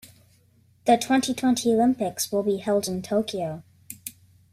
The twenty-twenty Olympics will be held in Tokyo.